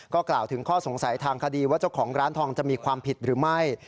กล่าวถึงข้อสงสัยทางคดีว่าเจ้าของร้านทองจะมีความผิดหรือไม่